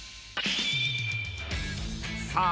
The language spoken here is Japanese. さあ